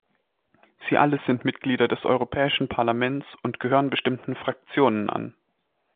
Sie alle sind Mitglieder des Europäischen Parlaments und gehören bestimmten Fraktionen an.